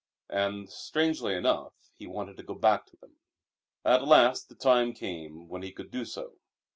And, strangely enough, he wanted to go back to them. At last the time came when he could do so.